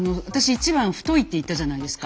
１番太いって言ったじゃないですか。